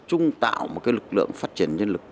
tập trung tạo một cái lực lượng phát triển nhân lực